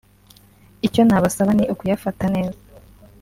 icyo nabasaba ni ukuyafata neza